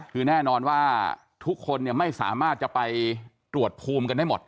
คือแน่นอนว่าทุกคนไม่สามารถจะไปตรวจภูมิกันได้หมด